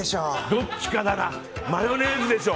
どっちかだなマヨネーズでしょ。